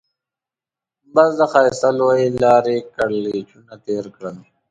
بس د ښایسته لويې لارې کږلېچونه تېر کړل.